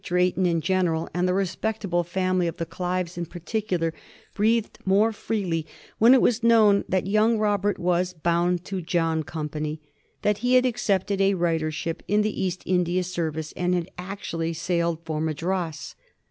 Drayton in general, and the respectable family of the Olives in particular, breathed more freely when it was known that young Robert was "bound to John Company" — ^that he h&d accepted a writership in the East India Serv ice, and had actually sailed for Madras.